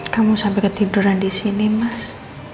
kamu sampai ketiduran disini mas